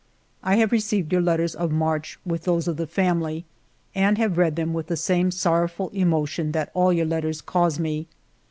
"I have received your letters of March, with those of the familv, and have read them with the same sorrowful emotion that all your letters cause me.